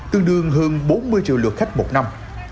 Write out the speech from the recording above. tương đương hơn bốn mươi triệu lượt khách một năm